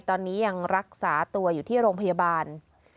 ตอนนี้ยังรักษาตัวอยู่ที่โรงพยาบาล